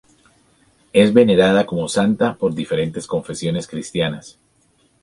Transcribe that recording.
Es venerada como santa por diferentes confesiones cristianas.